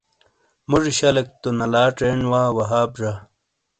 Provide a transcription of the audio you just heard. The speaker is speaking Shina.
موجی شلیک تو نلا چینڈ وا وہاب زا۔